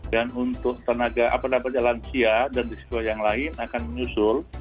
dan untuk tenaga apadah pada langsia dan berisiko yang lain akan menyusul